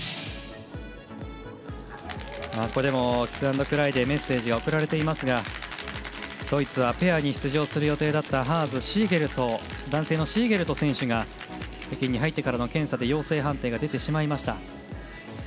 ここでもキスアンドクライでメッセージが送られていますがドイツはペアに出場する予定だったハーズとシーゲルト選手がいますが男性のシーゲルト選手が北京に入ってからの検査で陽性が出てしまいました。